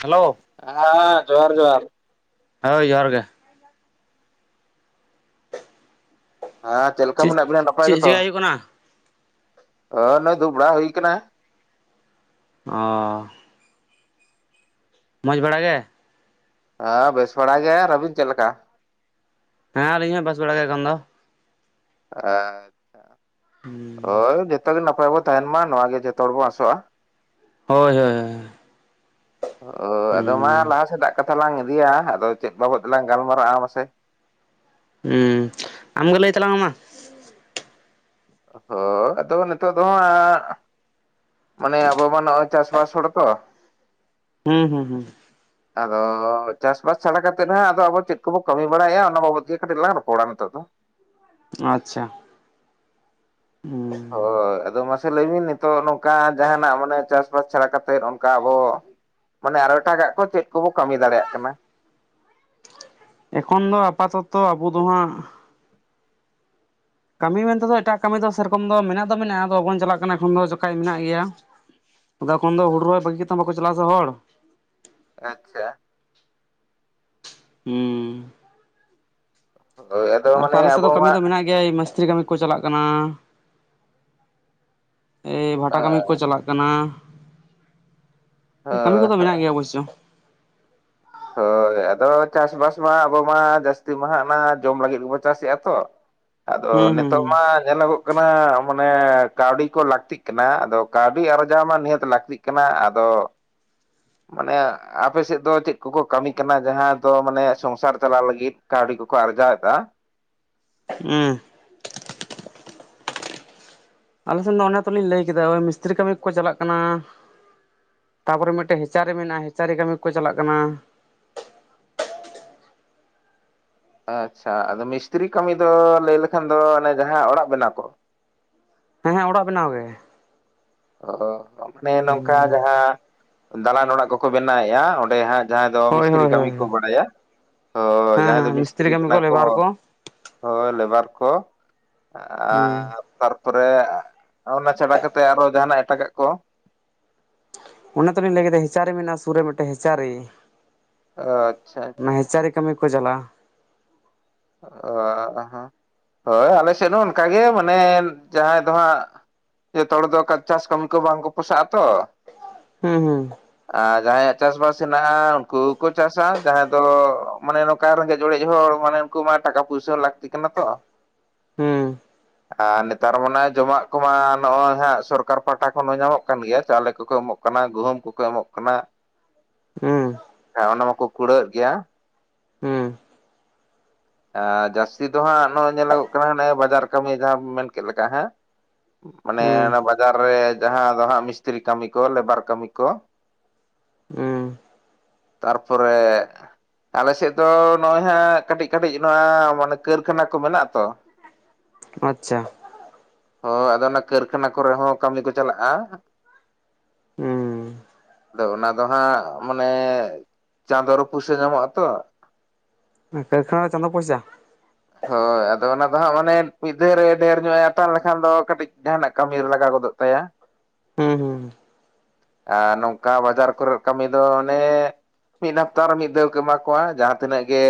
Hello ᱦᱮᱸ ᱡᱚᱦᱟᱨ ᱡᱚᱦᱟᱨ᱾ ᱦᱳᱭ ᱡᱚᱦᱟᱨ ᱜᱮ᱾ ᱦᱮᱸ ᱪᱮᱫ ᱞᱮᱠᱟ ᱢᱮᱱᱟᱜ ᱵᱤᱱᱟ ᱱᱟᱯᱟᱭ ᱪᱮᱫ ᱜᱮᱛᱚ᱾ ᱪᱮᱠᱟᱭ ᱦᱩᱭᱩᱜ ᱠᱟᱱᱟ ᱦᱚ ᱱᱚᱜ-ᱚᱭ ᱫᱩᱲᱩᱵ ᱵᱟᱲᱟ ᱦᱩᱭ ᱠᱟᱱᱟ᱾ ᱚ᱾ ᱢᱚᱸᱡᱽ ᱵᱟᱲᱟ ᱜᱮ᱾ ᱟ ᱵᱮᱥ ᱵᱟᱲᱟ ᱜᱮ ᱟᱨ ᱟᱵᱤᱱ ᱪᱮᱫ ᱞᱮᱠᱟ? ᱦᱮᱸ ᱟᱹᱞᱤᱧ ᱦᱚᱸ ᱵᱮᱥ ᱵᱟᱲᱟ ᱜᱮ ᱮᱠᱷᱚᱱ ᱫᱚ᱾ ᱟ, ᱦᱳᱭ ᱡᱷᱚᱛᱚ ᱜᱮ ᱱᱟᱯᱟᱭ ᱵᱚ ᱛᱟᱸᱦᱮᱱ ᱢᱟ ᱱᱚᱣᱟ ᱜᱮ ᱡᱷᱚᱛᱚ ᱦᱚᱲ ᱵᱚᱱ ᱟᱸᱥᱚᱜ-ᱟ᱾ ᱦᱳᱭ ᱦᱳᱭ ᱦᱳᱭ᱾ ᱚ ᱟᱫᱚ ᱢᱟ ᱦᱩᱸ ᱞᱟᱦᱟ ᱥᱮᱫᱟᱜ ᱠᱟᱛ ᱛᱷᱟᱞᱟᱝ ᱤᱫᱤᱭᱟ ᱟᱫᱚ ᱪᱮᱫ ᱵᱟᱵᱚᱫ ᱛᱮᱞᱟᱝ ᱜᱟᱞᱢᱟᱨᱟᱜ-ᱟ ᱢᱟᱥᱮ᱾ ᱦᱩᱸ᱾ ᱟᱢᱜᱮ ᱞᱟᱹᱭ ᱛᱟᱞᱟᱝ ᱢᱮ ᱢᱟ᱾ ᱦᱳ ᱟᱫᱚ ᱱᱤᱛᱚᱜ ᱫᱚ ᱦᱟᱸᱜ ᱢᱟᱱᱮ ᱟᱵᱚ ᱢᱟ ᱱᱚᱜ-ᱚᱭ ᱪᱟᱥ-ᱵᱟᱥ ᱦᱚᱲ ᱛᱚ᱾ ᱦᱩᱸ ᱦᱩᱸ ᱦᱩᱸ᱾ [inaudible] ᱟᱫᱚ ᱪᱟᱥᱵᱟᱥ ᱪᱷᱟᱲᱟ ᱠᱟᱛᱮᱫ ᱦᱟᱸᱜ ᱟᱫᱚ ᱟᱵᱚ ᱪᱮᱫ ᱠᱚᱵᱚ ᱠᱟᱹᱢᱤ ᱵᱟᱲᱟᱭᱮᱜᱼᱟ ᱚᱱᱟ ᱵᱟᱵᱚᱛ ᱜᱮ ᱠᱟᱹᱴᱤᱡ ᱞᱟᱝ ᱨᱚᱯᱚᱲᱟ ᱱᱤᱛᱚᱜ ᱫᱚ᱾ ᱟᱪᱪᱷᱟ᱾ ᱦᱩᱸ ᱦᱳᱭ ᱟᱫᱚ ᱢᱟᱥ ᱥᱮ ᱞᱟᱹᱭᱵᱤᱱ ᱱᱤᱛᱚᱜ ᱱᱚᱝᱠᱟ ᱡᱟᱸᱦᱟᱱᱟᱜ ᱢᱟᱱᱮ ᱪᱟᱥᱵᱟᱥ ᱪᱷᱟᱲᱟ ᱠᱟᱛᱮᱫ ᱚᱱᱠᱟ ᱟᱵᱚ ᱢᱟᱱᱮ ᱟᱨ ᱮᱴᱟᱜᱟᱜ ᱠᱚ ᱪᱮᱫ ᱠᱚᱵᱚ ᱠᱟᱹᱢᱤ ᱫᱟᱲᱮᱭᱟᱜ ᱠᱟᱱᱟ᱾ ᱮᱠᱷᱚᱱ ᱫᱚ ᱟᱯᱟᱛᱚᱛᱚ ᱟᱵᱚ ᱫᱚ ᱦᱟᱸᱜ ᱠᱟᱹᱢᱤ ᱢᱮᱱᱛᱮ ᱫᱚ ᱮᱴᱟᱜ ᱠᱟᱹᱢᱤ ᱫᱚ ᱥᱮᱨᱚᱠᱚᱢ ᱫᱚ ᱢᱮᱱᱟᱜ ᱫᱚ ᱢᱮᱱᱟᱜᱼᱟ ᱟᱫᱚ ᱵᱟᱵᱚᱱ ᱪᱟᱞᱟᱜ ᱠᱟᱱᱟ ᱮᱠᱷᱚᱱ ᱫᱚ ᱡᱚᱠᱷᱟᱡ ᱢᱮᱱᱟᱜ ᱜᱮᱭᱟ᱾ ᱟᱫᱚ ᱮᱠᱷᱚᱱ ᱫᱚ ᱦᱩᱲᱩ ᱨᱚᱦᱚᱭ ᱵᱟᱹᱜᱤ ᱠᱟᱛᱮ ᱵᱟᱠᱚ ᱪᱟᱞᱟᱜᱼᱟ ᱥᱮ ᱦᱚᱲ᱾ ᱟᱪᱪᱷᱟ᱾ ᱦᱩᱸ᱾ ᱦᱳᱭ ᱟᱫᱚ ᱟᱨ ᱢᱟᱱᱮ ᱠᱷᱟᱡ ᱟᱞᱮ ᱥᱮᱫ ᱟᱵᱚ ᱫᱚ ᱢᱟ ᱠᱟᱹᱢᱤ ᱫᱚ ᱢᱮᱱᱟᱜ ᱜᱮᱭᱟ ᱢᱤᱥᱛᱨᱤ ᱠᱟᱹᱢᱤ ᱠᱚ ᱪᱟᱞᱟᱜ ᱠᱟᱱᱟ᱾ ᱮ ᱵᱷᱟᱴᱟ ᱠᱟᱹᱢᱤ ᱠᱚ ᱪᱟᱞᱟᱜ ᱠᱟᱱᱟ, ᱠᱟᱹᱢᱤ ᱠᱚ ᱫᱚ ᱢᱮᱱᱟᱜ ᱜᱮᱭᱟ ᱚᱵᱚᱥᱥᱚ᱾ ᱦᱳᱭ᱾ ᱟᱫᱚ ᱪᱟᱥᱵᱟᱥ ᱢᱟ ᱟᱵᱚ ᱢᱟ ᱡᱟᱹᱥᱛᱤ ᱢᱟ ᱦᱟᱸᱜ ᱚᱱᱟ ᱡᱚᱢ ᱞᱟᱹᱜᱤᱫ ᱜᱮᱵᱚ ᱪᱟᱥᱮᱫᱼᱟ ᱛᱚ᱾ ᱟᱫᱚ ᱦᱩᱸ ᱦᱩᱸ ᱱᱤᱛᱚᱜ ᱢᱟ ᱧᱮᱞᱚᱜᱚᱜ ᱠᱟᱱᱟ ᱢᱟᱱᱮ ᱠᱟᱹᱣᱰᱤ ᱠᱚ ᱞᱟᱹᱠᱛᱤᱜ ᱠᱟᱱᱟ ᱟᱫᱚ ᱠᱟᱹᱣᱰᱤ ᱟᱨᱡᱟᱣ ᱢᱟ ᱱᱤᱦᱟᱹᱛ ᱞᱟᱹᱠᱛᱤᱜ ᱠᱟᱱᱟ ᱟᱫᱚ ᱢᱟᱱᱮ ᱟᱯᱮ ᱥᱮᱫ ᱫᱚ ᱪᱮᱫ ᱠᱚᱠᱚ ᱠᱟᱹᱢᱤ ᱠᱟᱱᱟ ᱡᱟᱸᱦᱟ ᱫᱚ ᱢᱟᱱᱮ ᱥᱚᱝᱥᱟᱨ ᱪᱟᱞᱟᱣ ᱞᱟᱹᱜᱤᱫ ᱠᱟᱹᱣᱰᱤ ᱠᱚᱠᱚ ᱟᱨᱡᱟᱣ ᱮᱫᱟ? ᱦᱩᱸ᱾ ᱟᱞᱮ ᱥᱮᱱ ᱫᱚ ᱚᱱᱮ ᱛᱚᱞᱤᱧ ᱞᱟᱹᱭ ᱠᱮᱫᱟ ᱳᱭ ᱢᱤᱥᱛᱨᱤ ᱠᱟᱹᱢᱤ ᱠᱚ ᱪᱟᱞᱟᱜ ᱠᱟᱱᱟ᱾ ᱛᱟᱨᱯᱚᱨᱮ ᱢᱤᱫᱴᱮᱡ ᱦᱮᱸᱪᱟᱨᱮ ᱢᱮᱱᱟᱜᱼᱟ ᱦᱮᱸᱪᱟᱨᱮ ᱠᱟᱹᱢᱤ ᱠᱚ ᱪᱟᱞᱟᱜ ᱠᱟᱱᱟ᱾ ᱟᱪᱪᱷᱟ ᱟᱫᱚ ᱢᱤᱥᱛᱨᱤ ᱠᱟᱹᱢᱤ ᱫᱚ ᱞᱟᱹᱭ ᱞᱮᱠᱷᱟᱱ ᱫᱚ ᱚᱱᱮ ᱡᱟᱦᱟᱸ ᱚᱲᱟᱜ ᱵᱮᱱᱟᱣ ᱠᱚ᱾ ᱦᱮᱸ ᱦᱮᱸ ᱚᱲᱟᱜ ᱵᱮᱱᱟᱣ ᱜᱮ᱾ ᱚ ᱢᱟᱱᱮ ᱱᱚᱝᱠᱟ ᱡᱟᱸᱦᱟ ᱫᱟᱞᱟᱱ ᱚᱲᱟᱜ ᱠᱚᱠᱚ ᱵᱮᱱᱟᱣᱮᱫᱼᱟ ᱚᱸᱰᱮ ᱦᱟᱸᱜ ᱡᱟᱦᱟᱸᱭ ᱫᱚ ᱦᱳᱭ ᱢᱤᱥᱛᱨᱤ ᱦᱳᱭ ᱠᱟᱹᱢᱤ ᱦᱳᱭ ᱠᱚ ᱵᱟᱲᱟᱭᱟ, ᱦᱳᱭ ᱦᱮᱸ ᱡᱟᱦᱟᱸᱭ ᱦᱮᱸ ᱫᱚ ᱢᱤᱥᱛᱨᱤ ᱠᱟᱹᱢᱤ ᱠᱟᱱᱟ ᱠᱚ᱾ ᱞᱮᱵᱟᱨ ᱦᱳᱭ ᱞᱮᱵᱟᱨ ᱠᱚ ᱦᱩᱸ ᱟᱨ ᱛᱟᱨᱯᱚᱨᱮ ᱚᱱᱟ ᱪᱷᱟᱰᱟ ᱠᱟᱛᱮ ᱟᱨᱚ ᱡᱟᱸᱦᱟᱱᱟᱜ ᱮᱴᱟᱜᱟᱜ ᱠᱚ᱾ ᱚᱱᱮ ᱛᱚᱞᱤᱧ ᱞᱟᱹᱭ ᱠᱮᱫᱟ ᱦᱮᱸᱪᱟᱨᱮ ᱢᱮᱱᱟᱜᱼᱟ ᱥᱩᱨ ᱨᱮ ᱢᱤᱫᱴᱟᱝ ᱦᱮᱸᱪᱟᱨᱮ ᱟᱪᱪᱷᱟ ᱚᱱᱟ ᱟᱪᱪᱷᱟ ᱦᱮᱸᱪᱟᱨᱮ ᱠᱟᱹᱢᱤ ᱠᱚ ᱪᱟᱞᱟᱜᱼᱟ᱾ ᱚ ᱦᱚᱸ, ᱦᱳᱭ ᱟᱞᱮ ᱥᱮᱫ ᱦᱚᱸ ᱚᱱᱠᱟᱜᱮ ᱢᱟᱱᱮ ᱡᱟᱦᱟᱸᱭ ᱫᱚ ᱦᱟᱸᱜ ᱡᱚᱛᱚ ᱦᱚᱲ ᱫᱚ ᱠᱟ ᱪᱟᱥ ᱠᱟᱹᱢᱤ ᱠᱚ ᱵᱟᱝ ᱠᱚ ᱯᱚᱥᱟᱜ-ᱟ ᱛᱚ᱾ ᱦᱩᱸ ᱦᱩᱸ᱾ ᱟᱨ ᱡᱟᱦᱟᱸᱭᱟᱜ ᱪᱟᱥᱵᱟᱥ ᱦᱮᱱᱟᱜᱼᱟ ᱩᱱᱠᱩ ᱜᱮᱠᱚ ᱪᱟᱥᱟ ᱡᱟᱦᱟᱸᱭ ᱫᱚ ᱢᱟᱱᱮ ᱱᱚ ᱠᱟ ᱨᱮᱸᱜᱮᱡ ᱚᱲᱮᱡ ᱦᱚᱲ ᱢᱟᱱᱮ ᱩᱱᱠᱩ ᱢᱟ ᱴᱟᱠᱟ ᱯᱩᱭᱥᱟᱹ ᱦᱚᱸ ᱞᱟᱹᱠᱛᱤ ᱠᱟᱱᱟ ᱛᱚ᱾ ᱦᱩᱸ ᱟᱨ ᱱᱮᱛᱟᱨ ᱢᱟᱱᱮ ᱡᱚᱢᱟᱜ ᱠᱚᱢᱟ ᱱᱚᱜᱼᱚᱭ ᱦᱟᱸᱜ ᱥᱚᱨᱠᱟᱨ ᱯᱟᱦᱴᱟ ᱠᱷᱚᱱ ᱦᱚᱸ ᱧᱟᱢᱚᱜ ᱠᱟᱱ ᱜᱮᱭᱟ ᱪᱟᱣᱞᱮ ᱠᱚᱠᱚ ᱮᱢᱚᱜ ᱠᱟᱱᱟ, ᱜᱩᱦᱩᱢ ᱠᱚᱠᱚ ᱮᱢᱚᱜ ᱠᱟᱱᱟ, ᱦᱩᱸ ᱟ ᱚᱱᱟ ᱢᱟᱠᱚ ᱠᱩᱲᱟᱹᱮᱫ ᱜᱮᱭᱟ᱾ ᱦᱩᱸ᱾ ᱮᱸ ᱡᱟᱹᱥᱛᱤ ᱫᱚ ᱦᱟᱸᱜ ᱱᱚᱜᱼᱚᱭ ᱧᱮᱞᱚᱜᱚᱜ ᱠᱟᱱᱟ ᱦᱟᱱᱮ ᱵᱟᱡᱟᱨ ᱠᱟᱹᱢᱤ ᱡᱟᱦᱟᱸ ᱢᱮᱱ ᱠᱮᱫ ᱞᱮᱠᱟ, ᱦᱮᱸ? ᱦᱩᱸ ᱢᱟᱱᱮ ᱦᱩᱸ ᱚᱱᱟ ᱵᱟᱡᱟᱨ ᱨᱮ ᱡᱟᱸᱦᱟ ᱫᱚ ᱦᱟᱸᱜ ᱢᱤᱥᱛᱨᱤ ᱠᱟᱹᱢᱤ ᱠᱚ ᱞᱮᱵᱟᱨ ᱠᱟᱹᱢᱤ ᱠᱚ᱾ [inaudible] ᱦᱩᱸ ᱛᱟᱨᱯᱚᱨᱮ ᱟᱞᱮ ᱥᱮᱫ ᱫᱚ ᱱᱚᱜᱼᱚᱭ ᱦᱟᱸᱜ ᱠᱟᱹᱴᱤᱡ ᱠᱟᱹᱴᱤᱡ ᱱᱚᱣᱟ ᱢᱟᱱᱮ ᱠᱟᱹᱨᱠᱷᱟᱱᱟ ᱠᱚ ᱢᱮᱱᱟᱜ-ᱟ ᱛᱚ᱾ ᱟᱪᱪᱷᱟ᱾ ᱦᱚᱸ ᱟᱫᱚ ᱚᱱᱟ ᱠᱟᱹᱨᱠᱷᱟᱱᱟ ᱠᱚᱨᱮ ᱦᱚᱸ ᱠᱟᱹᱢᱤ ᱠᱚ ᱪᱟᱞᱟᱜ-ᱟ᱾ ᱦᱩᱸ ᱟᱫᱚ ᱚᱱᱟ ᱫᱚ ᱦᱟᱸᱜ ᱢᱟᱱᱮ ᱪᱟᱸᱫᱚ ᱨᱮ ᱯᱩᱭᱥᱟᱹ ᱧᱟᱢᱚᱜ-ᱟ ᱛᱚ᱾ ᱠᱟᱹᱨᱠᱷᱟᱱᱟ ᱨᱮ ᱪᱟᱸᱫᱳ ᱯᱚᱭᱥᱟ᱾ ᱦᱳᱭ ᱟᱫᱚ ᱚᱱᱟ ᱫᱚ ᱦᱟᱸᱜ ᱢᱟᱱᱮ ᱢᱤᱫ ᱫᱷᱟᱣ ᱨᱮ ᱰᱷᱮᱨ ᱧᱚᱜ ᱮ ᱦᱟᱛᱟᱣ ᱞᱮᱠᱷᱟᱱ ᱫᱚ ᱠᱟᱹᱴᱤᱡ ᱡᱟᱦᱟᱱᱟᱜ ᱠᱟᱹᱢᱤ ᱨᱮ ᱞᱟᱜᱟᱣ ᱜᱚᱫᱚᱜ ᱛᱟᱭᱟ ᱦᱩᱸ ᱦᱩᱸ ᱾ ᱟᱨ ᱱᱚᱝᱠᱟ ᱵᱟᱡᱟᱨ ᱠᱚᱨᱮ ᱠᱟᱹᱢᱤ ᱫᱚ ᱚᱱᱮ ᱢᱤᱫ ᱦᱟᱯᱛᱟ ᱨᱮ ᱢᱤᱫ ᱫᱷᱟᱣ ᱠᱚ ᱮᱢᱟ ᱠᱚᱣᱟ ᱡᱟᱦᱟᱸ ᱛᱤᱱᱟᱹᱜ ᱜᱮ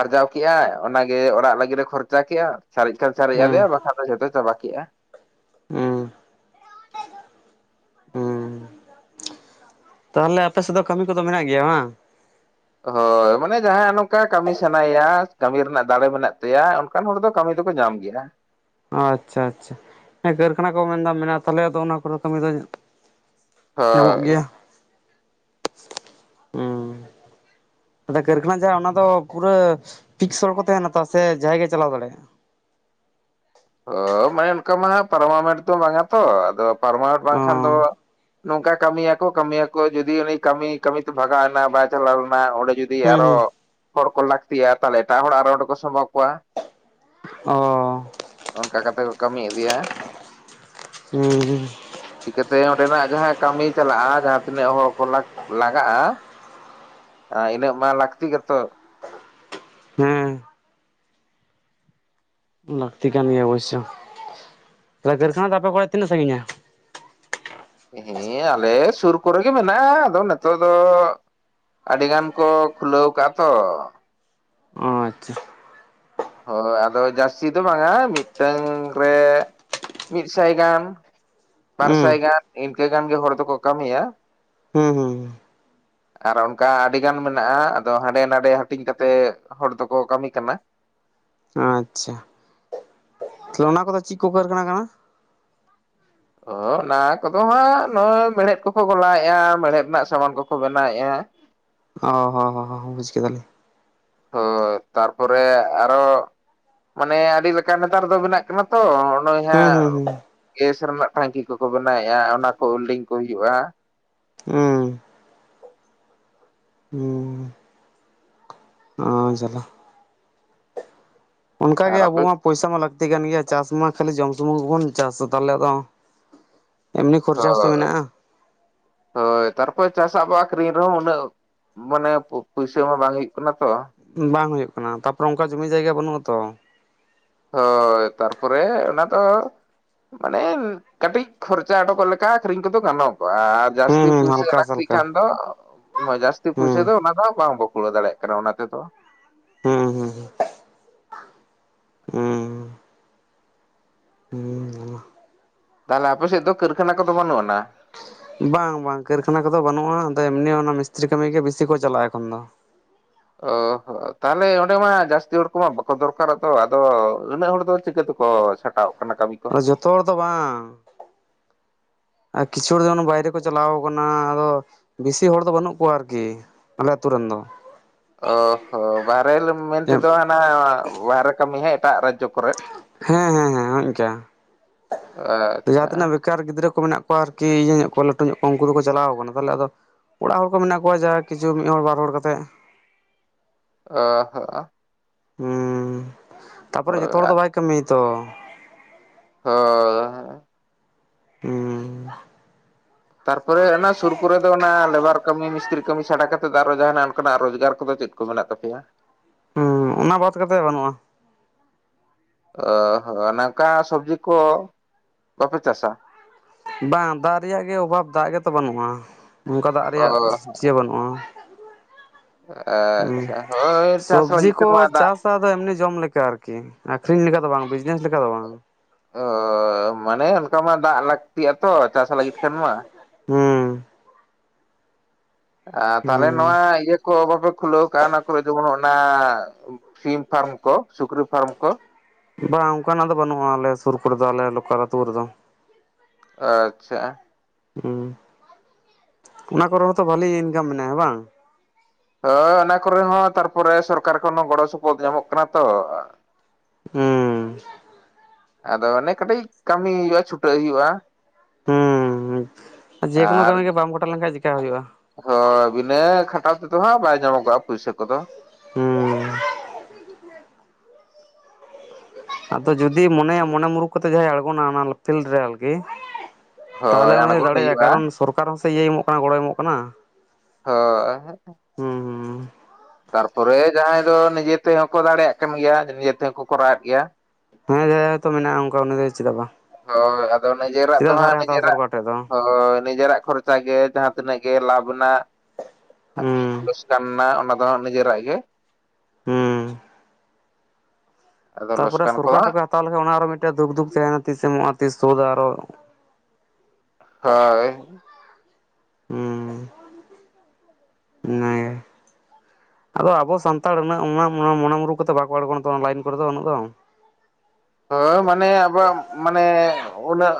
ᱟᱨᱡᱟᱣ ᱠᱮᱜᱟᱭ ᱚᱱᱟᱜᱮ ᱚᱲᱟᱜ ᱞᱟᱹᱜᱤᱫ ᱮ ᱠᱷᱚᱨᱪᱟ ᱠᱮᱜᱼᱟ ᱥᱟᱨᱮᱡ ᱠᱷᱟᱱ ᱥᱟᱨᱮᱡ ᱦᱩᱸ ᱟᱫᱮᱭᱟ ᱵᱟᱠᱷᱟᱱ ᱫᱚ ᱡᱷᱚᱛᱚ ᱪᱟᱵᱟ ᱠᱮᱜᱼᱟ᱾ ᱦᱩᱸ ᱦᱩᱸ ᱛᱟᱦᱚᱞᱮ ᱟᱯᱮ ᱥᱮᱫ ᱫᱚ ᱠᱟᱹᱢᱤ ᱠᱚᱫᱚ ᱢᱮᱱᱟᱜ ᱜᱮᱭᱟ ᱵᱟᱝ? ᱦᱳᱭ ᱢᱟᱱᱮ ᱡᱟᱦᱟᱭᱟᱜ ᱱᱚᱝᱠᱟ ᱠᱟᱹᱢᱤ ᱥᱟᱱᱟᱭᱮᱭᱟ ᱠᱟᱹᱢᱤ ᱨᱮᱱᱟᱜ ᱫᱟᱲᱮ ᱢᱮᱱᱟᱜ ᱛᱟᱭᱟ ᱚᱱᱠᱟᱱ ᱦᱚᱲ ᱫᱚ ᱠᱟᱹᱢᱤ ᱫᱚᱠᱚ ᱧᱟᱢ ᱜᱮᱭᱟ ᱾ ᱟᱪᱪᱷᱟ ᱟᱪᱪᱷᱟ, ᱦᱮᱸ ᱠᱟᱹᱨᱠᱷᱟᱱᱟ ᱠᱚ ᱢᱮᱱᱫᱟ ᱢᱮᱱᱟᱜ-ᱟ ᱛᱟᱦᱚᱞᱮ ᱟᱫᱚ ᱚᱱᱟ ᱠᱚᱨᱮ ᱠᱟᱹᱢᱤ ᱫᱚ ᱧᱟᱢᱚᱜ ᱦᱳᱭ ᱜᱮᱭᱟ ᱾ ᱚᱸᱻ ᱠᱟᱹᱨᱠᱷᱟᱱᱟ ᱡᱟᱦᱟᱸ ᱚᱱᱟ ᱫᱚ ᱯᱩᱨᱟᱹ ᱯᱤᱠᱥ ᱦᱚᱲ ᱠᱚ ᱛᱟᱦᱮᱱᱟ ᱛᱚ ᱥᱮ ᱡᱟᱦᱟᱸᱭ ᱜᱮ ᱪᱟᱞᱟᱣ ᱫᱟᱲᱮᱭᱟᱜ-ᱟ? ᱚ ᱢᱟᱱᱮ ᱚᱱᱠᱟ ᱢᱟ ᱯᱟᱨᱢᱟᱱᱮᱱᱴ ᱫᱚ ᱵᱟᱝ-ᱟ ᱛᱚ ᱟᱫᱚ ᱯᱟᱨᱢᱟᱱᱮᱱᱴ ᱚ ᱵᱟᱝᱠᱷᱟᱱ ᱫᱚ ᱱᱚᱝᱠᱟ ᱠᱟᱹᱢᱤᱭ ᱟᱠᱚ ᱠᱟᱹᱢᱤᱭ ᱟᱠᱚ ᱡᱩᱫᱤ ᱩᱱᱤ ᱠᱟᱹᱢᱤ ᱠᱟᱹᱢᱤᱛᱮ ᱵᱷᱟᱜᱟᱣ ᱱᱟᱭ ᱵᱟᱭ ᱪᱟᱞᱟᱣ ᱞᱮᱱᱟ ᱚᱸᱰᱮ ᱡᱩᱫᱤ ᱡᱩᱫᱤ ᱦᱩᱸ ᱟᱨᱚ ᱦᱩᱸ ᱦᱚᱲ ᱠᱚ ᱞᱟᱹᱠᱛᱤᱭᱟ ᱛᱟᱦᱚᱞᱮ ᱮᱴᱟᱜ ᱦᱚᱲ ᱟᱨᱚ ᱚᱸᱰᱮ ᱠᱚ ᱥᱟᱢᱵᱟᱣ ᱠᱚᱣᱟ ᱾ ᱚᱻ ᱾ ᱚᱱᱠᱟ ᱠᱟᱛᱮ ᱠᱚ ᱠᱟᱹᱢᱤ ᱤᱫᱤᱭᱟ ᱾ ᱦᱩᱸ ᱦᱩᱸ ᱾ ᱪᱤᱠᱟᱹᱛᱮ ᱚᱸᱰᱮᱱᱟᱜ ᱡᱟᱦᱟᱸ ᱠᱟᱹᱢᱤ ᱪᱟᱞᱟᱜ-ᱟ ᱡᱟᱦᱟᱸ ᱛᱤᱱᱟᱹᱜ ᱦᱚᱲ ᱠᱚ ᱞᱟᱜᱟᱜ-ᱟ ᱟᱨ ᱤᱱᱟᱹᱜ ᱢᱟ ᱞᱟᱹᱠᱛᱤ ᱜᱮᱛᱚ ᱾ ᱦᱮᱸ ᱾ ᱞᱟᱹᱠᱛᱤ ᱠᱟᱱ ᱜᱮᱭᱟ ᱚᱵᱚᱥᱳᱭ, ᱛᱟᱦᱚᱞᱮ ᱠᱟᱹᱨᱠᱷᱟᱱᱟ ᱫᱚ ᱟᱯᱮ ᱠᱚᱨᱮ ᱛᱤᱱᱟᱹᱜ ᱥᱟᱺᱜᱤᱧᱟ? ᱦᱮᱸ ᱟᱞᱮ ᱥᱩᱨ ᱠᱚᱨᱮ ᱜᱮ ᱢᱮᱱᱟᱜ-ᱟ, ᱟᱫᱚ ᱱᱤᱛᱚᱜ ᱫᱚ ᱟᱹᱰᱤ ᱜᱟᱱ ᱠᱚ ᱠᱷᱩᱞᱟᱹᱣ ᱠᱟᱜ-ᱟ ᱛᱚ ᱾ ᱚ ᱟᱪᱪᱷᱟ ᱦᱳᱭ ᱟᱫᱚ ᱡᱟᱹᱥᱛᱤ ᱫᱚ ᱵᱟᱝᱟ ᱢᱤᱫᱴᱟᱝᱻ ᱨᱮ ᱢᱤᱫ ᱥᱟᱭ ᱜᱟᱱ ᱵᱟᱨ ᱦᱩᱸ ᱥᱟᱭ ᱜᱟᱱ ᱤᱱᱠᱟᱹ ᱜᱟᱱ ᱜᱮ ᱦᱚᱲ ᱫᱚᱠᱚ ᱠᱟᱹᱢᱤᱭᱟ ᱾ [unintelligible] ᱟᱨ ᱚᱱᱠᱟ ᱟᱹᱰᱤ ᱜᱟᱱ ᱢᱮᱱᱟᱜ-ᱟ ᱟᱫᱚ ᱦᱟᱸᱰᱮ ᱱᱟᱰᱮ ᱦᱟᱹᱴᱤᱧ ᱠᱟᱛᱮ ᱦᱚᱲ ᱫᱚᱠᱚ ᱠᱟᱹᱢᱤ ᱠᱟᱱᱟ ᱾ ᱟᱪᱪᱷᱟ, ᱛᱟᱦᱚᱞᱮ ᱚᱱᱟ ᱠᱚᱫᱚ ᱪᱮᱫ ᱠᱚ ᱠᱟᱨᱠᱷᱟᱱᱟ ᱠᱟᱱᱟ? ᱚᱻ ᱚᱱᱟ ᱠᱚᱫᱚ ᱦᱟᱸᱜ ᱱᱚ-ᱚᱭ ᱢᱮᱬᱦᱮᱫ ᱠᱚᱠᱚ ᱜᱚᱞᱟᱭᱮᱫ-ᱟ᱾ ᱢᱮᱲᱦᱮᱫ ᱨᱮᱱᱟᱜ ᱥᱟᱢᱟᱱ ᱠᱚᱠᱚ ᱵᱮᱱᱟᱣᱮᱟ᱾ ᱚ ᱦᱚᱸ ᱦᱚ ᱦᱚ ᱵᱩᱡ ᱠᱮᱫᱟ ᱞᱤᱧ ᱾ ᱦᱳᱭ ᱛᱟᱨᱯᱚᱨᱮ ᱟᱨᱚ ᱢᱟᱱᱮ ᱟᱹᱰᱤ ᱞᱮᱠᱟᱱ ᱱᱮᱛᱟᱨ ᱫᱚ ᱵᱮᱱᱟᱜ ᱠᱟᱱᱟ ᱛᱚ ᱱᱚ-ᱚᱭ ᱦᱩᱸ ᱦᱟᱸᱜ ᱦᱩᱸ ᱜᱮᱥ ᱨᱮᱱᱟᱜ ᱴᱷᱟᱝᱠᱤ ᱠᱚᱠᱚ ᱵᱮᱱᱟᱣᱮᱫ-ᱟ ᱚᱱᱟ ᱠᱚ ᱩᱞᱰᱤᱝ ᱠᱚ ᱦᱩᱭᱩᱜ-ᱟ᱾ [unintelligible] ᱦᱩᱸᱻ ᱚ ᱡᱟᱞᱟ ᱾ ᱚᱱᱠᱟᱜ ᱜᱮ ᱟᱨ ᱟᱵᱚ ᱟᱯᱮ ᱢᱟ ᱯᱚᱭᱥᱟ ᱢᱟ ᱞᱟᱹᱠᱛᱤ ᱠᱟᱱ ᱜᱮᱭᱟ ᱪᱟᱥ ᱢᱟ ᱠᱷᱟᱹᱞᱤ ᱡᱚᱢ ᱥᱩᱢᱩ ᱜᱮᱵᱚᱱ ᱪᱟᱥᱟ ᱛᱟᱦᱚᱞᱮ ᱟᱫᱚ ᱮᱢᱱᱤ ᱠᱷᱚᱨᱪᱟ ᱦᱚᱸᱛᱚ ᱦᱳᱭ ᱢᱮᱱᱟᱜᱼᱟ ᱦᱳᱭ ᱛᱟᱨᱯᱚᱨ ᱪᱟᱥᱟ ᱵᱚ ᱟᱠᱷᱽᱨᱤᱧ ᱨᱮᱦᱚᱸ ᱩᱱᱟᱝ ᱢᱟᱱᱮ ᱯᱩᱭᱥᱟᱹ ᱦᱚᱸ ᱵᱟᱝ ᱦᱩᱭᱩᱜ ᱠᱟᱱᱟ ᱛᱚ᱾ ᱵᱟᱝ ᱦᱩᱭᱩᱜ ᱠᱟᱱᱟ᱾ ᱛᱟᱯᱚᱨᱮ ᱚᱱᱠᱟ ᱡᱚᱢᱤ ᱡᱟᱭᱜᱟ ᱵᱟᱹᱱᱩᱜ-ᱟ ᱛᱚ᱾ ᱦᱳᱭ ᱛᱟᱨᱯᱚᱨᱮ ᱚᱱᱟ ᱫᱚ ᱢᱟᱱᱮ ᱠᱟᱹᱴᱤᱡ ᱠᱷᱚᱨᱪᱟ ᱩᱰᱩᱚᱠᱚᱜ ᱞᱮᱠᱟ ᱟᱹᱠᱷᱨᱤᱧ ᱠᱚᱫᱚ ᱜᱟᱱᱚᱜᱚᱜᱼᱟ᱾ ᱦᱩᱸ ᱡᱟᱹᱥᱛᱤ ᱦᱩᱸ ᱯᱩᱭᱥᱟᱹ ᱦᱟᱞᱠᱟ ᱞᱟᱹᱠᱛᱤ ᱥᱟᱞᱠᱟ ᱠᱷᱟᱱ ᱫᱚ ᱡᱟᱹᱥᱛᱤ ᱯᱩᱭᱥᱟᱹ ᱦᱩᱸ ᱫᱚ ᱚᱱᱟ ᱠᱷᱚᱱᱟᱜ ᱵᱟᱝ ᱵᱚ ᱠᱩᱲᱟᱹᱣ ᱫᱟᱲᱮᱭᱟᱜᱼᱟ᱾ [unintelligible] ᱚᱱᱟ ᱛᱮ ᱫᱚ? ᱦᱩᱸ ᱦᱩᱸ ᱦᱩᱸ ᱦᱩᱸ ᱛᱟᱦᱚᱞᱮ ᱟᱯᱮ ᱥᱮᱫ ᱫᱚ ᱠᱟᱹᱨᱠᱷᱟᱱᱟ ᱠᱚᱫᱚ ᱵᱟᱹᱱᱩᱜ ᱟᱱᱟ? ᱵᱟᱝ ᱵᱟᱝ ᱠᱟᱹᱨᱠᱷᱟᱱᱟ ᱠᱚᱫᱚ ᱵᱟᱹᱱᱩᱜᱼᱟ᱾ ᱟᱫᱚ ᱮᱢᱱᱤ ᱚᱱᱟ ᱢᱤᱥᱛᱨᱤ ᱠᱟᱹᱢᱤ ᱜᱮ ᱵᱤᱥᱤ ᱠᱚ ᱪᱟᱞᱟᱜᱼᱟ ᱮᱠᱷᱚᱱ ᱫᱚ᱾ ᱚ ᱦᱚᱸ ᱛᱟᱦᱚᱞᱮ ᱚᱸᱰᱮ ᱢᱟ ᱡᱟᱹᱥᱛᱤ ᱦᱚᱲ ᱠᱚᱢᱟ ᱵᱟᱠᱚ ᱫᱚᱨᱠᱟᱨᱚᱜ ᱛᱚ ᱟᱫᱚ ᱩᱱᱟᱹᱜ ᱦᱚᱲ ᱫᱚ ᱪᱤᱠᱟᱹ ᱛᱮᱠᱚ ᱪᱷᱟᱴ ᱴᱟᱣ ᱠᱟᱱᱟ ᱠᱟᱹᱢᱤ ᱠᱚ᱾ ᱡᱷᱚᱛᱚ ᱦᱚᱲ ᱫᱚ ᱵᱟᱝ᱾ ᱟᱨ ᱠᱤᱪᱷᱩ ᱦᱚᱲ ᱫᱚ ᱵᱟᱭᱨᱮ ᱠᱚ ᱪᱟᱞᱟᱣ ᱠᱟᱱᱟ ᱟᱫᱚ ᱵᱮᱥᱤ ᱦᱚᱲ ᱫᱚ ᱵᱟᱹᱱᱩᱜ ᱠᱚᱣᱟ ᱟᱨᱠᱤ ᱟᱞᱮ ᱟᱹᱛᱩ ᱨᱮᱱ ᱫᱚ᱾ ᱚ ᱦᱚᱸ ᱵᱟᱦᱨᱮ ᱨᱮ ᱢᱮᱱ ᱦᱮᱸ ᱛᱮᱫᱚ ᱦᱟᱱᱟ ᱵᱟᱦᱨᱮ ᱠᱟᱹᱢᱤ ᱦᱮ ᱮᱴᱟᱜ ᱨᱟᱡᱽᱡᱚ ᱠᱚᱨᱮ᱾ ᱦᱮᱸ ᱦᱮᱸ ᱦᱮ ᱤᱱᱠᱟ [inaudible] ᱡᱟᱦᱟᱸ ᱟᱪᱪᱷᱟ ᱛᱤᱱᱟᱹᱜ ᱠᱟᱨ ᱜᱤᱫᱽᱨᱟᱹ ᱠᱚ ᱢᱮᱱᱟᱜ ᱠᱚᱣᱟ ᱟᱨᱠᱤ ᱤᱭᱟᱹ ᱧᱚᱜ ᱠᱚ ᱞᱟᱹᱴᱩ ᱧᱚᱜ ᱠᱚᱣᱟ ᱩᱱᱠᱩ ᱫᱚᱠᱚ ᱪᱟᱞᱟᱣ ᱠᱟᱱᱟ ᱛᱟᱦᱚᱞᱮ ᱟᱫᱚ ᱚᱲᱟᱜ ᱦᱚᱲ ᱠᱚ ᱢᱮᱱᱟᱜ ᱠᱚᱣᱟ ᱡᱟᱦᱟ ᱠᱤᱪᱷᱩ ᱢᱤᱫ ᱦᱚᱲ ᱵᱟᱨ ᱦᱚᱲ ᱠᱟᱛᱮᱜ ᱚ ᱦᱟᱸᱜᱼᱟ ᱦᱩᱸ ᱛᱟᱯᱚᱨᱮ ᱡᱚᱛᱚ ᱦᱳᱭ ᱦᱚᱲ ᱫᱚ ᱵᱟᱭ ᱠᱟᱹᱢᱤᱭᱟ ᱛᱚ᱾ ᱦᱚ ᱦᱩᱸ ᱛᱟᱨᱯᱚᱨᱮ ᱚᱱᱟ ᱥᱩᱨ ᱠᱚᱨᱮ ᱫᱚ ᱚᱱᱟ ᱞᱮᱵᱟᱨ ᱠᱟᱹᱢᱤ ᱢᱤᱥ ᱛᱨᱤ ᱠᱟᱹᱢᱤ ᱪᱷᱟᱰᱟ ᱠᱟᱛᱮ ᱫᱚ ᱟᱨᱚ ᱡᱟᱦᱱᱟᱜ ᱚᱱᱠᱟᱱᱟᱜ ᱨᱳᱡᱽᱜᱟᱨ ᱠᱚᱫᱚ ᱪᱮᱫ ᱠᱚ ᱢᱮᱱᱟᱜ ᱛᱟᱯᱮᱭᱟ? ᱦᱩᱸ ᱚᱱᱟ ᱵᱟᱫ ᱠᱟᱛᱮᱫ ᱵᱟᱹᱱᱩᱜᱼᱟ᱾ ᱟᱸ ᱦᱚᱸ ᱱᱚᱝᱠᱟ ᱥᱚᱵᱽᱡᱤ ᱠᱚ ᱵᱟᱯᱮ ᱪᱟᱥᱟ? ᱵᱟᱝ ᱫᱟᱜ ᱨᱮᱭᱟᱜ ᱜᱮ ᱚᱵᱷᱟᱵᱽ ᱫᱟᱜ ᱜᱮᱛᱚ ᱵᱟᱹᱱᱩᱜᱼᱟ᱾ ᱱᱚᱝᱠᱟ ᱫᱟᱜ ᱚ ᱨᱮᱭᱟᱜ ᱪᱮᱫ ᱵᱟᱹᱱᱩᱜᱼᱟ᱾ ᱦᱩᱸ ᱟᱪᱪᱷᱟ ᱦᱳ ᱥᱚᱵᱽᱡᱤ ᱠᱚ ᱪᱟᱥᱟᱫᱚ ᱮᱢᱱᱤ ᱡᱚᱢ ᱞᱮᱠᱟ ᱟᱨᱠᱤ, ᱟᱹᱠᱷᱨᱤᱧ ᱞᱮᱠᱟ ᱫᱚ ᱵᱟᱝ ᱵᱤᱡᱽᱱᱮᱥ ᱞᱮᱠᱟ ᱫᱚ ᱵᱟᱝ᱾ ᱚ ᱢᱟᱱᱮ ᱚᱱᱠᱟ ᱢᱟ ᱫᱟᱜ ᱞᱟᱹᱠᱛᱤᱜ ᱟ ᱛᱚ ᱪᱟᱥ ᱞᱟᱹᱜᱤᱫ ᱠᱷᱟᱱ ᱢᱟ᱾ ᱦᱩᱸ ᱟ ᱛᱟᱦᱞᱮ ᱦᱩᱸ ᱱᱚᱣᱟ ᱤᱭᱟᱹ ᱠᱚ ᱵᱟᱯᱮ ᱠᱷᱩᱞᱟᱹᱣ ᱠᱟᱜᱼᱟ ᱚᱱᱟ ᱠᱚᱨᱮ ᱡᱮᱢᱚᱱ ᱚᱱᱟ ᱥᱤᱢ ᱯᱷᱟᱨᱢ ᱠᱚ ᱥᱩᱠᱨᱤ ᱯᱷᱟᱨᱢ ᱠᱚ᱾ ᱵᱟᱝ ᱚᱱᱠᱟᱱᱟᱜ ᱫᱚ ᱵᱟᱹᱱᱩᱜᱼᱟ ᱟᱞᱮ ᱥᱩᱨ ᱠᱚᱨᱮᱫᱚ ᱟᱞᱮ ᱞᱚᱠᱟᱞ ᱟᱹᱛᱳ ᱨᱮᱫᱚ᱾ ᱟᱪᱪᱷᱟ᱾ ᱦᱩᱸ ᱚᱱᱟ ᱠᱚᱨᱮ ᱦᱚᱸᱛᱚ ᱵᱟᱹᱞᱤ ᱤᱱᱠᱟᱢ ᱢᱮᱱᱟᱜᱼᱟ ᱵᱟᱝ? ᱦᱚ ᱚᱱᱟ ᱠᱚᱨᱮ ᱦᱚᱸ ᱛᱟᱨᱯᱚᱨᱮ ᱥᱚᱨᱠᱟᱨ ᱠᱷᱚᱱ ᱦᱚᱸ ᱜᱚᱲᱚ ᱥᱚᱯᱚᱦᱚᱫ ᱧᱟᱢᱚᱜ ᱠᱟᱱᱟ ᱛᱚ ᱦᱩᱸ ᱟᱫᱚ ᱚᱱᱮ ᱠᱟᱹᱴᱤᱡ ᱠᱟᱹᱢᱤ ᱦᱩᱭᱩᱜᱼᱟ ᱪᱷᱩᱴᱟᱹᱜ ᱦᱩᱭᱩᱜᱼᱟ᱾ ᱡᱮᱱᱳ ᱟᱨ ᱠᱟᱹᱢᱤ ᱜᱮ ᱵᱟᱢ ᱜᱚᱴᱟᱣ ᱞᱮᱱᱠᱟᱱᱡ ᱪᱮᱠᱟ ᱦᱩᱭᱩᱜᱼᱟ᱾ ᱦᱳᱭ ᱵᱤᱱᱟᱹ ᱠᱷᱟᱴᱟᱣ ᱛᱮᱫᱚ ᱦᱟᱸᱜ ᱵᱟᱭ ᱧᱟᱢᱚᱜᱚᱜᱼᱟ ᱯᱩᱭᱥᱟᱹ ᱠᱚᱫᱚ᱾ ᱦᱩᱸ ᱟᱫᱚ ᱡᱩᱫᱤ ᱢᱚᱱᱮᱭᱟ ᱢᱚᱱᱮ ᱢᱩᱨᱩᱠᱷ ᱠᱟᱛᱮ ᱡᱟᱦᱟᱸᱭ ᱟᱬᱜᱚᱱᱟ ᱚᱱᱟ ᱯᱷᱤᱞᱰ ᱨᱮ ᱟᱨᱠᱤ ᱛᱟᱦᱚᱞᱮ ᱦᱳᱭ ᱩᱱᱤᱤᱴᱫᱚᱭ ᱟᱬᱜᱚᱱ ᱫᱟᱲᱮᱭᱟᱜᱟᱭ ᱦᱩᱭᱩᱜᱼᱟ ᱠᱟᱨᱚᱱ ᱥᱚᱨᱠᱟᱨ ᱦᱚᱸᱥ ᱤᱭᱟᱹᱭ ᱮᱢᱚᱜ ᱠᱟᱱᱟ ᱜᱚᱲᱚᱭ ᱮᱢᱚᱜ ᱠᱟᱱᱟ᱾ ᱦᱚᱭ ᱦᱟᱜ᱾ ᱦᱩᱸ ᱦᱩᱸ ᱛᱟᱨᱯᱚᱨᱮ ᱡᱟᱦᱟᱸᱭ ᱫᱚ ᱱᱤᱡᱮ ᱛᱮᱦᱚᱸ ᱠᱚ ᱫᱟᱲᱮᱭᱟᱜ ᱠᱟᱱ ᱜᱮᱭᱟ ᱱᱤᱡᱮ ᱛᱮᱦᱚᱸ ᱠᱚ ᱠᱚᱨᱟᱣᱮᱫ ᱜᱮᱭᱟ᱾ ᱦᱮᱸ ᱡᱟᱦᱟᱭ ᱡᱟᱦᱟᱭ ᱦᱚᱭ ᱛᱚ ᱢᱮᱱᱟᱜᱼᱟ ᱚᱱᱠᱟ ᱩᱱᱤ ᱫᱚᱭ ᱪᱮᱫᱟᱜ ᱵᱟᱝ᱾ ᱦᱳᱭ ᱟᱫᱚ ᱱᱤᱡᱮᱨᱟᱜ ᱫᱚ ᱪᱮᱫᱟᱜ ᱦᱟᱸᱜ ᱫᱷᱟᱨᱮ ᱦᱟᱛᱟᱣᱟ ᱱᱤᱡᱮᱨᱟᱜ ᱥᱚᱨᱠᱟᱨ ᱴᱷᱮᱡ ᱫᱚ ᱦᱳᱭ ᱱᱤᱡᱮᱨᱟᱜ ᱠᱷᱚᱨ ᱪᱷᱟ ᱜᱮ ᱡᱟᱦᱟᱸ ᱛᱤᱱᱟᱹᱜ ᱜᱮ ᱞᱟᱵᱷ ᱨᱮᱱᱟᱜ ᱦᱩᱸ ᱞᱚᱥᱠᱟᱱ ᱱᱟᱜ ᱚᱱᱟ ᱚᱱᱟᱦᱚᱸ ᱱᱤᱡᱮᱨᱟᱜ ᱜᱮ᱾ ᱦᱩᱸᱦᱩᱸ ᱦᱩᱸ ᱟᱫᱚ ᱛᱟᱯᱚᱨᱮ ᱞᱚᱥᱠᱟᱱ ᱠᱚ ᱥᱚᱨᱠᱟᱨ ᱴᱷᱮᱜ ᱦᱟᱸᱜ ᱯᱮ ᱦᱟᱛᱟᱣ ᱞᱮᱠᱷᱟᱱ ᱚᱱᱟ ᱟᱨᱚ ᱢᱤᱜᱴᱮᱱ ᱫᱩᱠᱫᱩᱠᱷ ᱛᱟᱦᱮᱸᱱᱟ ᱛᱤᱥ ᱮ ᱮᱢᱚᱜᱼᱟ ᱛᱤᱥ ᱥᱳᱫ ᱟᱨᱚ ᱦᱚᱭ, ᱦᱩᱸ ᱚᱱᱟᱜᱮ, ᱟᱫᱚ ᱟᱵᱚ ᱥᱟᱱᱛᱟᱲ ᱩᱱᱟᱹᱜ [unintelligible] ᱢᱚᱱᱮ ᱢᱩᱨᱩᱜ ᱠᱟᱛᱮᱜ ᱵᱟᱠᱚ ᱟᱲᱜᱚᱱᱟ ᱛᱚ ᱚᱱᱟ ᱞᱟᱭᱤᱱ ᱠᱚᱨᱮ ᱫᱚ ᱩᱱᱟᱹᱜ ᱫᱚ᱾ ᱦᱳᱭ ᱢᱟᱱᱮ ᱟᱵᱟᱣᱟᱜ ᱢᱟᱱᱮ ᱩᱱᱟᱹᱜ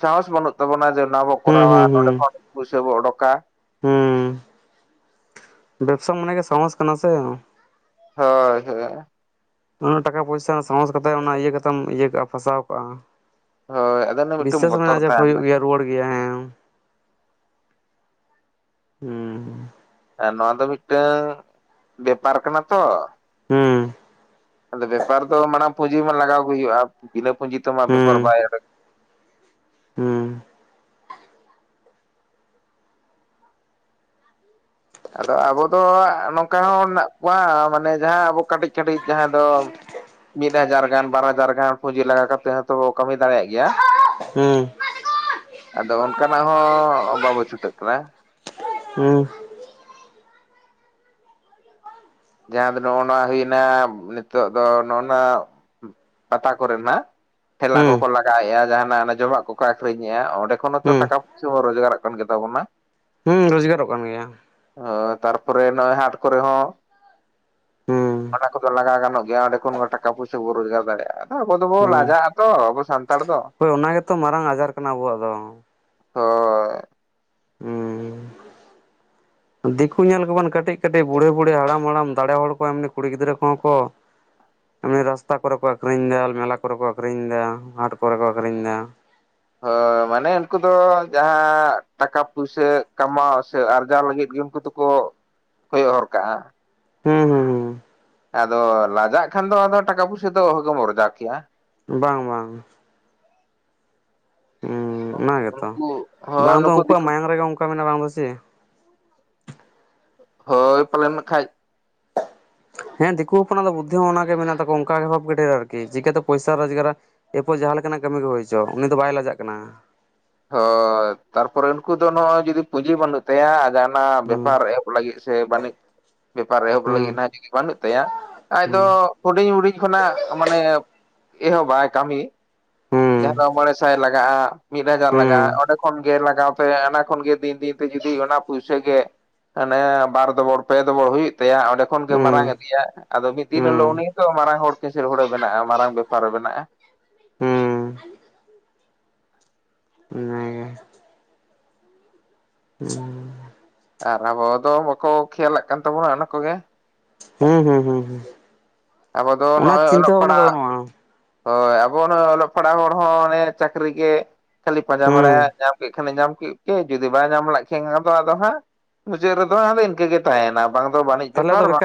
ᱥᱟᱦᱚᱥ ᱵᱟᱹᱱᱩᱜ ᱛᱟᱵᱚᱱᱟ, ᱡᱮ ᱚᱱᱟ ᱵᱚ ᱦᱩᱸ ᱠᱚᱨᱟᱣᱟ ᱱᱚᱸᱰᱮ ᱠᱷᱚᱱ ᱯᱩᱭᱥᱟᱹ ᱵᱚ ᱚᱰᱚᱠᱟ᱾ ᱦᱮᱸ ᱵᱮᱵᱥᱟ ᱢᱟᱱᱮ ᱜᱮ ᱥᱟᱦᱚᱥ ᱠᱟᱱᱟ ᱥᱮ, ᱦᱳᱭ ᱦᱳᱭ᱾ ᱩᱱᱟᱹᱜ ᱴᱟᱠᱟ ᱯᱚᱭᱥᱟ ᱥᱟᱦᱚᱥ ᱠᱟᱛᱮᱜ ᱚᱱᱟ ᱤᱭᱟᱹ ᱠᱟᱛᱮᱢ ᱤᱭᱟᱹ ᱠᱟᱜᱼᱟ ᱯᱷᱟᱥᱟᱣ ᱠᱟᱜᱼᱟ᱾ ᱦᱳᱭ ᱟᱫᱚ ᱚᱱᱮ ᱢᱤᱫᱴᱟᱝ ᱵᱤᱥᱟᱹᱥ ᱵᱚᱛᱚᱨ ᱢᱮᱱᱟᱜᱼᱟ ᱡᱮ ᱦᱩᱭᱩᱜ ᱛᱟᱦᱮᱱᱟ ᱜᱮᱭᱟ, ᱨᱩᱣᱟᱹᱲ ᱜᱮᱭᱟ ᱦᱮᱸ ᱦᱩᱸ᱾ ᱟᱨ ᱱᱚᱣᱟ ᱫᱚ ᱢᱤᱫᱴᱮᱝ ᱵᱮᱯᱟᱨ ᱠᱟᱱᱟ ᱛᱚ, ᱦᱩᱸ᱾ ᱟᱫᱚ ᱵᱮᱯᱟᱨ ᱫᱚ ᱢᱟᱲᱟᱝ ᱯᱩᱸᱡᱤ ᱢᱟ ᱞᱟᱜᱟᱣ ᱜᱮ ᱦᱩᱭᱩᱜᱼᱟ ᱵᱤᱱᱟᱹ ᱯᱩᱸᱡᱤᱛᱮ ᱢᱟ ᱵᱮᱯᱟᱨ ᱦᱩᱸ ᱵᱟᱭ [unintelligible] ᱦᱩᱸ ᱟᱫᱚ ᱟᱵᱚ ᱫᱚ ᱱᱚᱝᱠᱟ ᱦᱚᱸ ᱢᱮᱱᱟᱜ ᱠᱚᱣᱟ ᱢᱟᱱᱮ ᱡᱟᱦᱟᱸ ᱟᱵᱚ ᱠᱟᱹᱴᱤᱜ ᱠᱟᱹᱴᱤᱜ ᱡᱟᱦᱟᱸ ᱫᱚ ᱢᱤᱫ ᱦᱟᱡᱟᱨ ᱜᱟᱱ ᱵᱟᱨ ᱦᱟᱡᱟᱨ ᱜᱟᱱ ᱯᱩᱸᱡᱤ ᱞᱟᱜᱟᱣ ᱠᱟᱛᱮ ᱦᱚᱸᱛᱚ ᱵᱚ ᱠᱟᱹᱢᱤ ᱫᱟᱲᱮᱭᱟᱜ ᱜᱮᱭᱟ᱾ ᱦᱩᱸ, ᱟᱫᱚ ᱚᱱᱠᱟᱱᱟᱜ ᱦᱚᱸ ᱵᱟᱵᱚ ᱪᱷᱩᱴᱟᱹᱜ ᱠᱟᱱᱟ᱾ ᱦᱩᱸ, ᱡᱟᱦᱟᱸ ᱫᱚ ᱱᱚᱜᱼᱚ ᱱᱚᱣᱟ ᱦᱩᱭᱱᱟ ᱱᱤᱛᱚᱜ ᱫᱚ ᱱᱚᱜᱼᱚ ᱱᱟ ᱯᱟᱛᱟ ᱠᱚᱨᱮ ᱱᱟᱜ ᱴᱷᱮᱞᱟ ᱦᱩᱸ ᱠᱚᱠᱚ ᱞᱟᱜᱟᱣᱮᱜᱼᱟ ᱡᱟᱦᱟᱸᱱᱟᱜ ᱮ ᱡᱚᱢᱟᱜ ᱠᱚᱠᱚ ᱟᱹᱠᱷᱨᱤᱧᱮᱜᱼᱟ ᱚᱸᱰᱮ ᱠᱷᱚᱱ ᱦᱚᱸᱛᱚ ᱦᱩᱸ ᱴᱟᱠᱟ ᱯᱩᱭᱥᱟᱹ ᱦᱚᱸ ᱨᱳᱡᱽᱜᱟᱨᱚᱜ ᱠᱟᱱ ᱜᱮᱛᱟᱵᱚᱱᱟ᱾ [inaudible] ᱦᱩᱸ ᱨᱚᱡᱽᱜᱟᱨᱚᱜ ᱠᱟᱱ ᱜᱮᱭᱟ᱾ ᱦᱚ ᱛᱟᱨᱯᱚᱨᱮ ᱱᱚᱜᱼᱚᱭ ᱦᱟᱴ ᱠᱚᱨᱮ ᱦᱚᱸ ᱦᱩᱸ ᱚᱱᱟ ᱠᱚᱫᱚ ᱞᱟᱜᱟᱣ ᱜᱟᱱᱚᱜ ᱜᱮᱭᱟ ᱚᱸᱰᱮ ᱠᱷᱚᱱ ᱦᱚᱸ ᱴᱟᱠᱟ ᱯᱚᱭᱥᱟ ᱵᱚ ᱨᱳᱡᱽᱜᱟᱨ ᱫᱟᱲᱮᱭᱟᱜᱼᱟ᱾ ᱦᱚᱸ ᱟᱵᱚ ᱫᱚᱵᱚ ᱦᱩᱸ ᱞᱟᱡᱟᱜᱼᱟ ᱛᱚ ᱟᱵᱚ ᱥᱟᱱᱛᱟᱲ ᱫᱚ, ᱦᱳᱭ ᱚᱱᱟ ᱜᱮᱛᱚ ᱢᱟᱨᱟᱝ ᱟᱡᱟᱨ ᱠᱟᱱᱟ ᱟᱵᱚᱣᱟᱜ ᱫᱚ᱾ ᱦᱚᱸ ᱦᱩᱸ ᱫᱤᱠᱩ ᱧᱮᱞ ᱠᱚᱵᱤᱱ ᱠᱟᱹᱴᱤᱜ ᱠᱟᱹᱴᱤᱜ ᱵᱩᱲᱦᱤ ᱵᱩᱲᱦᱤ ᱦᱟᱲᱟᱢ ᱦᱟᱲᱟᱢ ᱫᱟᱲᱮ ᱦᱚᱲ ᱠᱚ ᱮᱢᱱᱤ ᱠᱩᱲᱤ ᱜᱤᱫᱽᱨᱟᱹ ᱠᱚᱦᱚᱸ ᱠᱚ ᱮᱢᱱᱮ ᱨᱟᱥᱛᱟ ᱠᱚᱨᱮ ᱠᱚ ᱟᱠᱷᱨᱤᱧ ᱫᱟ ᱢᱮᱞᱟ ᱠᱚᱨᱮ ᱠᱚ ᱟᱠᱷᱨᱤᱧ ᱫᱟ ᱦᱟᱴ ᱠᱚᱨᱮ ᱠᱚ ᱟᱠᱷᱨᱤᱧ ᱫᱟ᱾ ᱦᱚᱭ, ᱢᱟᱱᱮ ᱩᱱᱠᱩ ᱫᱚ ᱡᱟᱦᱟᱸ ᱴᱟᱠᱟ ᱯᱩᱭᱥᱟᱹ ᱠᱟᱢᱟᱣ ᱥᱮ ᱟᱨᱡᱟᱣ ᱞᱟᱹᱜᱤᱫ ᱜᱮ ᱩᱱᱠᱩ ᱫᱚᱠᱚ ᱠᱚᱭᱚᱜ ᱦᱚᱨ ᱠᱟᱜᱼᱟ᱾ ᱦᱩᱸ ᱦᱩᱸ ᱦᱩᱸ᱾ ᱟᱫᱚ ᱞᱟᱡᱟᱜ ᱠᱷᱟᱱ ᱫᱚ ᱟᱫᱚ ᱴᱟᱠᱟ ᱯᱩᱭᱥᱟᱹ ᱫᱚ ᱚᱦᱚᱜᱮᱢ ᱟᱨᱡᱟᱣ ᱠᱮᱭᱟ᱾ ᱵᱟᱝ ᱵᱟᱝ, ᱦᱩᱸ ᱚᱱᱟ ᱜᱮᱛᱚ ᱩᱱᱠᱩ ᱦᱚᱸ ᱵᱟᱝ ᱫᱚ ᱱᱩᱠᱩ ᱩᱱᱠᱩᱣᱟᱜ ᱫᱤᱠᱩ ᱢᱟᱭᱟᱝ ᱨᱮᱜᱮ ᱚᱱᱠᱟ ᱢᱮᱱᱟᱜᱼᱟ ᱵᱟᱝ ᱫᱚ ᱥᱮ, ᱦᱳᱭ ᱯᱟᱞᱮᱱ ᱠᱷᱟᱭ ᱦᱮᱸ ᱫᱤᱠᱩ ᱦᱚᱯᱚᱱᱟᱜ ᱫᱚ ᱵᱩᱫᱷᱤ ᱦᱚᱸ ᱚᱱᱟᱜᱮ ᱢᱮᱱᱟᱜ ᱛᱟᱠᱚ ᱚᱱᱠᱟᱜᱮ ᱵᱷᱟᱵ ᱰᱷᱮᱨ ᱟᱨᱠᱤ ᱪᱤᱠᱟᱹᱛᱮ ᱯᱚᱭᱥᱟ ᱨᱳᱡᱽᱜᱟᱨᱟ, ᱮᱨᱯᱚᱨ ᱡᱟᱦᱟᱸ ᱞᱮᱠᱟᱱᱟᱜ ᱠᱟᱹᱢᱤ ᱜᱮ ᱦᱩᱭᱪᱚ ᱩᱱᱤ ᱫᱚ ᱵᱟᱭ ᱞᱟᱡᱟᱜ ᱠᱟᱱᱟ᱾ ᱦ ᱛᱟᱨᱯᱚᱨᱮ ᱩᱱᱠᱩ ᱫᱚ ᱱᱚᱜᱼᱚᱭ ᱡᱩᱫᱤ ᱯᱩᱸᱡᱤ ᱵᱟᱹᱱᱩᱜ ᱛᱟᱭᱟ ᱟᱨ ᱚᱱᱟ ᱦᱩᱸ ᱵᱮᱯᱟᱨ ᱮᱦᱚᱵ ᱞᱟᱹᱜᱤᱫ ᱥᱮ ᱵᱟᱹᱱᱤᱡ ᱵᱮᱯᱟᱨ ᱮᱦᱚᱵ ᱦᱩᱸ ᱞᱟᱹᱜᱤᱫ ᱦᱟᱜ ᱡᱩᱫᱤ ᱵᱟᱹᱱᱩᱜ ᱛᱟᱭᱟ ᱟᱡ ᱫᱚ ᱦᱩᱸ ᱦᱩᱰᱤᱧ ᱦᱩᱰᱤᱧ ᱠᱷᱚᱱᱟᱜ ᱢᱟᱱᱮ ᱮᱦᱚᱵ ᱵᱟᱭ ᱠᱟᱹᱢᱤ᱾ ᱦᱩᱸ ᱡᱟᱦᱟᱸ ᱫᱚ ᱢᱚᱬᱮ ᱥᱟᱭ ᱞᱟᱜᱟᱜᱼᱟ ᱢᱤᱫ ᱦᱟᱡᱟᱨ ᱞᱟᱜᱟᱜᱼᱟ ᱚᱸᱰᱮ ᱠᱷᱚᱱᱜᱮ ᱞᱟᱜᱟᱣ ᱛᱮ ᱚᱱᱟ ᱠᱷᱚᱱᱜᱮ ᱫᱤᱱ ᱫᱤᱱ ᱛᱮ ᱡᱩᱫᱤ ᱚᱱᱟ ᱯᱩᱭᱥᱟᱹ ᱜᱮ ᱟᱱᱮ ᱵᱟᱨ ᱫᱚᱵᱚᱲ ᱯᱮ ᱫᱚᱵᱚᱲ ᱦᱩᱭᱩᱜ ᱛᱟᱭᱟ ᱚᱸᱰᱮ ᱠᱷᱚᱱ ᱜᱮ ᱢᱟᱨᱟᱝ ᱦᱩᱸ ᱤᱫᱤᱭᱟ᱾ ᱟᱫᱚ ᱢᱤᱫ ᱫᱤᱱ ᱦᱤᱞᱳᱜ ᱦᱩᱸ ᱩᱱᱤᱫᱚ ᱢᱟᱨᱟᱝ ᱦᱚᱲ ᱠᱤᱥᱟᱹᱲ ᱦᱚᱲᱮ ᱵᱮᱱᱟᱜ ᱟ ᱢᱟᱨᱟᱝ ᱵᱮᱯᱟᱨᱮ ᱵᱮᱱᱟᱜᱼᱟ᱾ ᱦᱩᱸ ᱦᱩᱸ ᱚᱱᱟᱜᱮ ᱦᱩᱸ, ᱟᱨ ᱟᱵᱚ ᱫᱚ ᱵᱟᱠᱚ ᱠᱷᱮᱭᱟᱞᱟᱜ ᱠᱟᱱ ᱛᱟᱵᱚᱱᱟ ᱚᱱᱟ ᱠᱚᱜᱮ᱾ ᱦᱩᱸ ᱦᱩᱸ ᱦᱩᱸ ᱦᱩᱸ᱾ ᱟᱵᱚ ᱫᱚ ᱱᱚᱜᱼᱚᱭ ᱚᱞᱚᱜ ᱵᱷᱟᱵᱱᱟ ᱫᱚ ᱯᱟᱲᱦᱟᱜ᱾ ᱵᱟᱹᱱᱩᱜᱼᱟ ᱦᱳᱭ ᱟᱵᱚ ᱱᱚᱜᱚᱭ ᱚᱞᱚᱜ ᱯᱟᱲᱦᱟᱣ ᱦᱚᱲ ᱦᱚᱸ ᱚᱱᱮ ᱪᱟᱹᱠᱨᱤ ᱜᱮ ᱠᱷᱟᱹᱞᱤ ᱯᱟᱸᱡᱟ ᱦᱩᱸ ᱵᱟᱲᱟᱭᱟ ᱧᱟᱢ ᱠᱮᱫ ᱠᱷᱟᱱᱮ ᱧᱟᱢ ᱠᱮᱫ ᱜᱮ ᱡᱩᱫᱤ ᱵᱟᱭ ᱧᱟᱢ ᱞᱮ ᱠᱷᱟᱡ ᱫᱚ ᱟᱫᱚ ᱦᱟᱸᱜ ᱢᱩᱪᱟᱹᱫ ᱨᱮᱫᱚ ᱟᱫᱚ ᱤᱱᱠᱟᱹ ᱜᱮ ᱛᱟᱦᱮᱱᱟ ᱵᱟᱝ ᱫᱚ ᱵᱟᱹᱱᱤᱡ ᱛᱚᱞᱟ ᱵᱮᱯᱟᱨ ᱫᱚ ᱵᱟᱝ ᱵᱮᱠᱟᱨ